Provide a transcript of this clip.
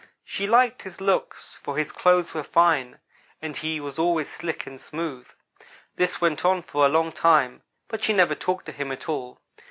She liked his looks, for his clothes were fine, and he was always slick and smooth. This went on for a long time, but she never talked to him at all.